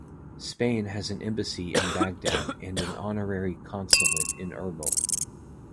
Spain has an embassy in Baghdad and an honorary consulate in Erbil.